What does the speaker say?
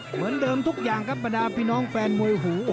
เหมือนเดิมทุกอย่างครับบรรดาพี่น้องแฟนมวยหู